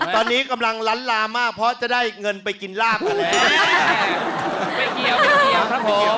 ตอนนี้กำลังล้านลามมากเพราะจะได้เงินไปกินลากกว่านั้น